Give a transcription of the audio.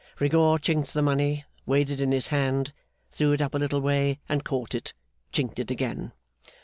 Rigaud chinked the money, weighed it in his hand, threw it up a little way and caught it, chinked it again.